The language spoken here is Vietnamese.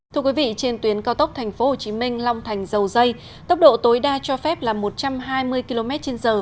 thưa quý vị trên tuyến cao tốc tp hcm long thành dầu dây tốc độ tối đa cho phép là một trăm hai mươi kmh